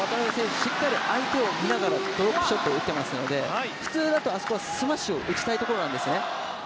今しっかり相手を見ながらドロップショットを打っていますので普通だとあそこはスマッシュを打ちたいところなんですね。